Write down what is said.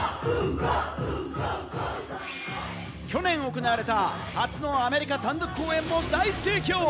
去年行われた初のアメリカ単独公演も大盛況！